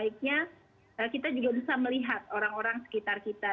jadi yang hitam itu sebaiknya kita juga bisa melihat orang orang sekitar kita